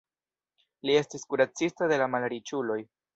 Li estis kuracisto de la malriĉuloj.